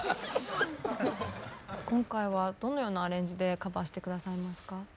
今回はどのようなアレンジでカバーして下さいますか？